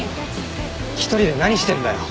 １人で何してんだよ。